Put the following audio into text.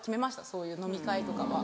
そういう飲み会とかは。